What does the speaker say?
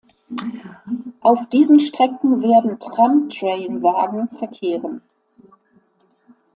Auf diesen Strecken werden Tram-Train-Wagen verkehren.